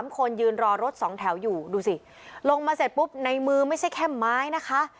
คนยืนรอรถ๒แถวอยู่ดูสิลงมาเสร็จปุ๊บในมือไม่ใช่แค่ไม้นะคะ